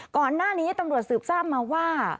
ก่อนหน้านี้ตำรวจสืบทราบมาว่า